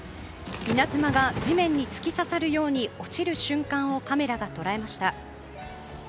稲妻が地面に突き刺さるように落ちる瞬間をカメラが捉えました。